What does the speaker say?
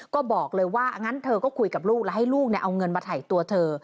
ก็บอกเลยว่างั้นเธอก็คุยกับลูกแล้วให้ลูกเอาเงินมาถ่ายตัวเธอ